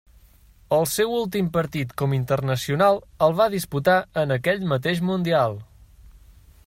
El seu últim partit com internacional el va disputar en aquell mateix Mundial.